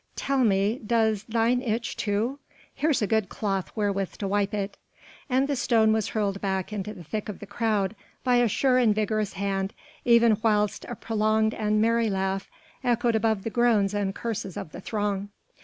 Tell me does thine itch too? Here's a good cloth wherewith to wipe it." And the stone was hurled back into the thick of the crowd by a sure and vigorous hand even whilst a prolonged and merry laugh echoed above the groans and curses of the throng.